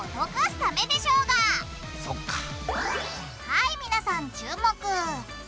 はい皆さん注目！